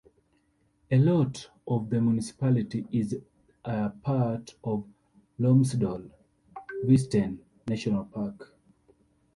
A lot of the municipality is a part of Lomsdal-Visten National Park.